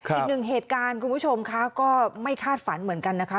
อีกหนึ่งเหตุการณ์คุณผู้ชมค่ะก็ไม่คาดฝันเหมือนกันนะคะ